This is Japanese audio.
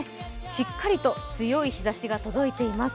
しっかりと強い日ざしが届いています。